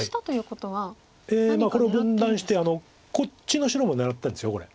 これを分断してこっちの白も狙ってるんですこれ。